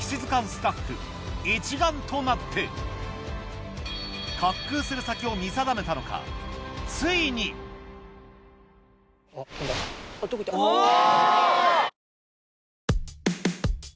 スタッフ一丸となって滑空する先を見定めたのか飛んだ。